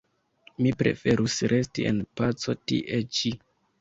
Mi preferus resti en paco tie ĉi.